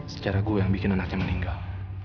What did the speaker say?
secara gue yang bikin anaknya meninggal